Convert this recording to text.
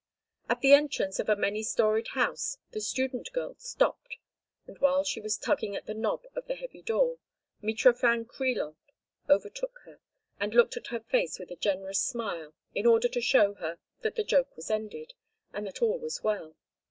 At the entrance of a many storied house the student girl stopped, and while she was tugging at the knob of the heavy door Mitrofan Krilov overtook her and looked at her face with a generous smile in order to show her that the joke was ended, and that all was well.